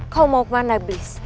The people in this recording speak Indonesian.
kau mau kemana blis